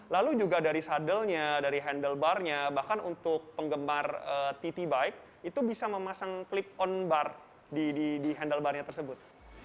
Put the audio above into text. lalu juga dari saddle nya dari handlebar nya bahkan untuk penggemar tt bike itu bisa memasang clip on bar di handlebar nya tersebut